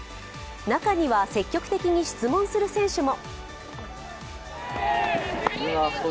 中には積極的に質問する選手も。